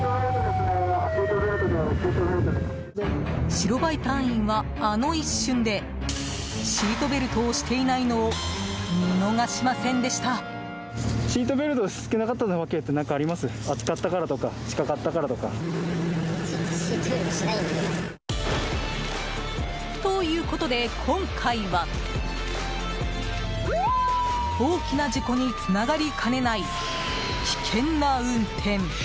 白バイ隊員は、あの一瞬でシートベルトをしていないのを見逃しませんでした。ということで今回は大きな事故につながりかねない危険な運転。